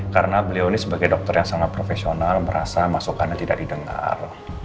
karena beliau ini sebagai dokter yang sangat profesional merasa masukannya tidak didengar